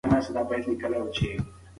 ارام ژوند په پیسو نه اخیستل کېږي.